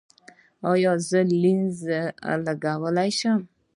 ایا زه لینز لګولی شم؟